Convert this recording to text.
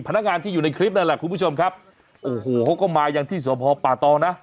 พนักงานที่อยู่ในคลิปนั่นแหละคุณผู้ชมครับโอ้โหเขาก็มายังที่สพป่าตองนะ